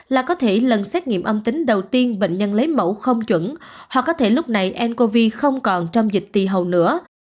là có thể lần xét nghiệm âm tính đầu tiên bệnh nhân lấy mẫu không chuẩn hoặc có thể lúc này ncov không còn trong dịch tì hầu nữa